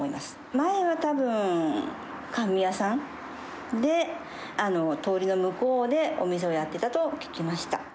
前はたぶん、甘味屋さんで、通りの向こうでお店をやってたと聞きました。